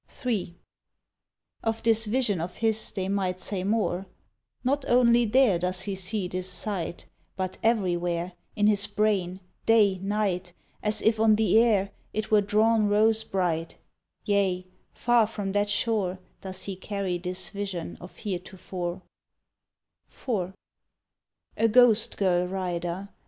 III Of this vision of his they might say more: Not only there Does he see this sight, But everywhere In his brain—day, night, As if on the air It were drawn rose bright— Yea, far from that shore Does he carry this vision of heretofore: IV A ghost girl rider.